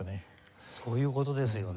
そういう事ですよね。